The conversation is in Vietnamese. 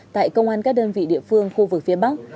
tại công an các đơn vị địa phương khu vực phía bắc